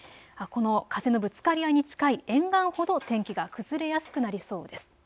この風のぶつかり合いに近い沿岸ほど天気が崩れやすくなりそうです。